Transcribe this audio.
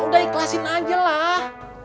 udah ikhlasin aja lah